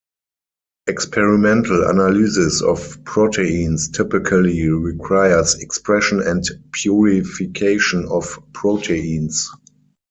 Experimental analysis of proteins typically requires expression and purification of proteins.